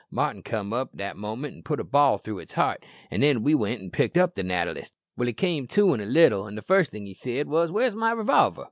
Martin came up that moment an' put a ball through its heart, an' then we went to pick up the natter list. He came to in a little, an' the first thing he said was, 'Where's my revolver?'